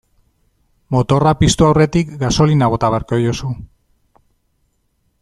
Motorra piztu aurretik gasolina bota beharko diozu.